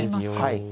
はい。